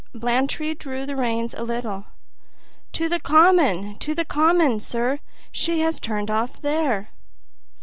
Blantyre drew the rein a little. "To the common, to the common, sir; she has turned off there."